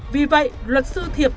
vì vậy luật sư thiệp